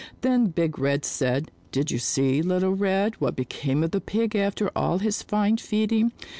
Then Big Red said, "Did you see, Little Red, what became of the Pig after all his fine feeding?"